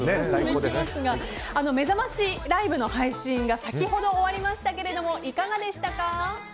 めざましライブの配信が先ほど終わりましたけどもいかがでしたか？